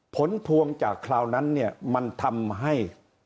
ผลพวงจากคราวนั้นเนี่ยมันทำให้